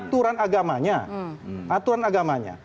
bukan masalah agamanya aturan agamanya